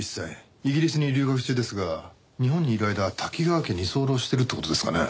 イギリスに留学中ですが日本にいる間多岐川家に居候してるって事ですかね？